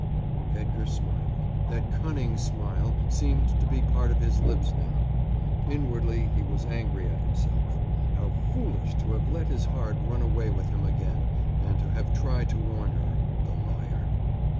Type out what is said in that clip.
Edgar smiled. That cunning smile seemed to be part of his lips now. Inwardly he was angry at himself. How foolish to have let his heart run away with him again and to have tried to warn her, the liar.